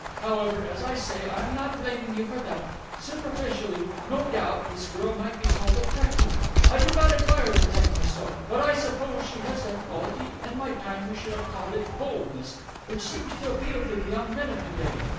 However, as I say, I am not blaming you for that. Superficially, no doubt, this girl might be called attractive. I do not admire the type myself, but I suppose she has that quality in my time we should have called it boldness which seems to appeal to the young men of to day.